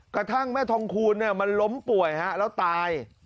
กระทั่งแม่ทองคูณมันล้มป่วยแล้วตาย